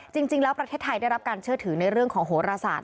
จริงแล้วประเทศไทยได้รับการเชื่อถือในเรื่องของโหรศาสต